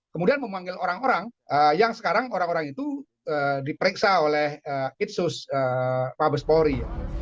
kemudian memanggil orang orang yang sekarang orang orang itu diperiksa oleh itsus mabes polri